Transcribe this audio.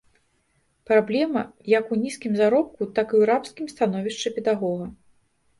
Праблема як у нізкім заробку, так і ў рабскім становішчы педагога.